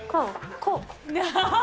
こう？